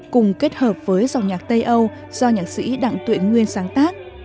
cùng kết hợp với dòng nhạc tây âu do nhạc sĩ đặng tuyện nguyên sáng tác